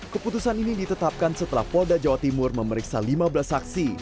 keputusan ini ditetapkan setelah polda jawa timur memeriksa lima belas saksi